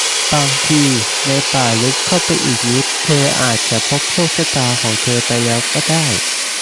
บางที ในป่าลึกเข้าไปอีกนิด เธออาจจะพบโชคชะตาของเธอไปแล้วก็ได้